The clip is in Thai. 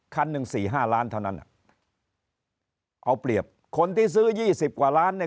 คันหนึ่งสี่ห้าล้านเท่านั้นอ่ะเอาเปรียบคนที่ซื้อยี่สิบกว่าล้านเนี่ย